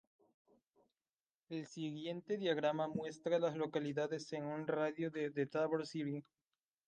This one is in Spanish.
El siguiente diagrama muestra a las localidades en un radio de de Tabor City.